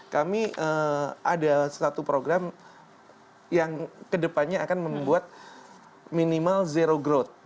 kami ada satu program yang kedepannya akan membuat minimal zero growth